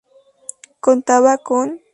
Contaba con